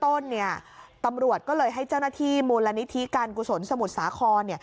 ตำรวจก็เลยให้เจ้าหน้าที่มูลนิธิการกุศลสมุทรสาคร